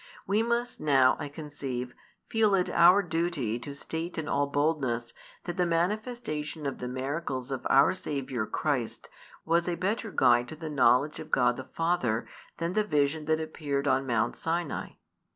We must now, I conceive, feel it our duty to state in all boldness that the manifestation of the miracles of our Saviour Christ was a better guide to the knowledge of God the Father than the vision that appeared on Mount Sinai.